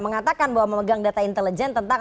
mengatakan bahwa memegang data intelijen tentang